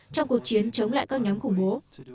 trong cuộc chiến chống lại các nhóm khủng bố